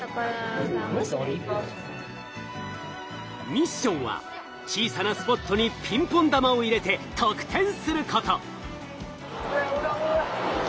ミッションは小さなスポットにピンポン玉を入れて得点すること。